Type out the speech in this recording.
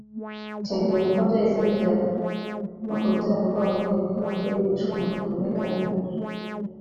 icyo gihe gupfa byahise bigera no ku rubyaro rwabo bihereye kuri Aberi wishwe na mukuru we Kahini